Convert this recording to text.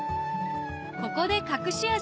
ここで隠し味